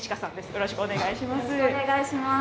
よろしくお願いします。